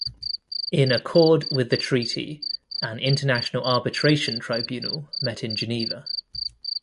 In accord with the treaty, an international arbitration tribunal met in Geneva.